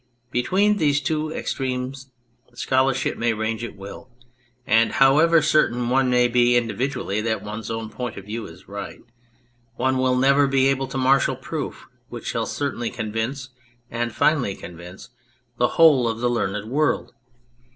Between these two extremes scholarship may range at will ; and however certain one may be individually that one's own point of view is right, one will never be able to marshal proof which shall certainly con vince, and finally convince, the whole of the learned world.